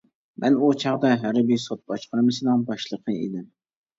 مەن ئۇ چاغدا ھەربىي سوت باشقارمىسىنىڭ باشلىقى ئىدىم.